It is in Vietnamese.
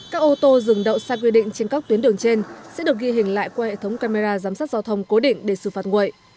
các ô tô dừng đậu sai quy định trên các tuyến đường trên sẽ được ghi hình lại qua hệ thống camera giám sát giao thông cố định để xử phạt nguội